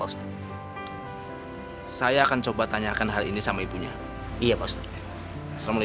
sekarang sudah diannya ah